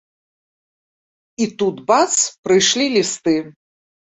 І тут, бац, прыйшлі лісты.